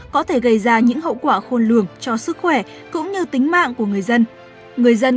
có thể gây ra những hậu quả khôn lường cho sức khỏe cũng như tính mạng của người dân